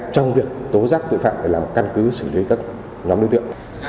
trong việc tố giác tội phạm để làm căn cứ xử lý các nhóm đối tượng